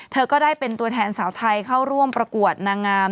เธอก็ได้เป็นตัวแทนสาวไทยเข้าร่วมประกวดนางงาม